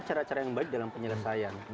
itu cara dua yang baik dalam penyelesaian